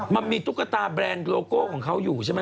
มันมีตุ๊กตาแบรนด์โลโก้ของเขาอยู่ใช่ไหม